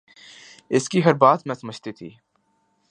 اس کی ہر بات میں سمجھتی تھی